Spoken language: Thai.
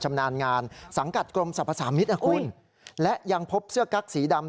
ชำนาญงานสังกัดกรมสรรพสามิตรนะคุณและยังพบเสื้อกั๊กสีดำ